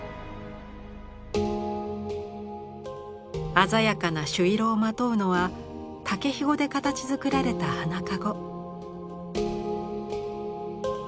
鮮やかな朱色をまとうのは竹ひごで形づくられた花籠。